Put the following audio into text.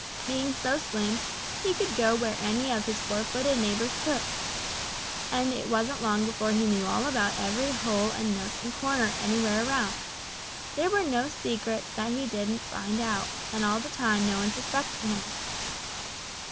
Being so slim, he could go where any of his four footed neighbors could, and it wasn't long before he knew all about every hole and nook and corner anywhere around. There were no secrets that he didn't find out, and all the time no one suspected him.